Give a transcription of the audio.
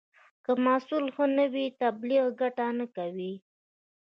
که محصول ښه نه وي، تبلیغ ګټه نه کوي.